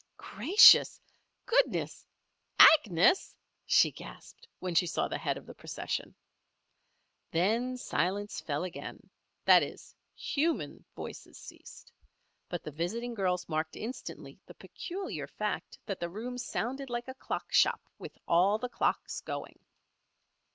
"Gracious goodness Agnes!" she gasped, when she saw the head of the procession. Then silence fell again that is, human voices ceased. But the visiting girls marked instantly the peculiar fact that the room sounded like a clock shop, with all the clocks going.